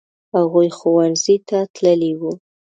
هغوی ښوونځي ته تللي وو.